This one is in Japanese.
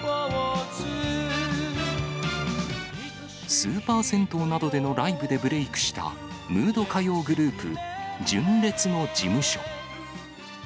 スーパー銭湯などでのライブでブレークした、ムード歌謡グループ、純烈の事務所。